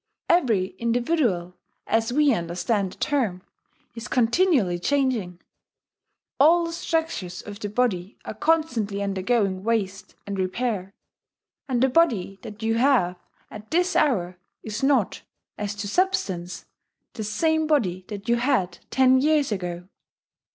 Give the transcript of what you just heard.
Every individual, as we understand the term, is continually changing. All the structures of the body are constantly undergoing waste and repair; and the body that you have at this hour is not, as to substance, the same body that you had ten years ago.